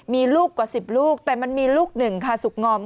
มีลูกกว่า๑๐ลูกแต่มันมีลูกหนึ่งค่ะสุกงอม